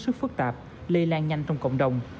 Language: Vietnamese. sức phức tạp lây lan nhanh trong cộng đồng